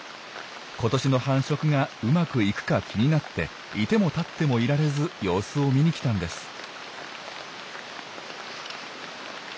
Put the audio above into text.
今年の繁殖がうまくいくか気になって居ても立っても居られず様子を見に来たんです。